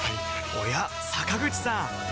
おや坂口さん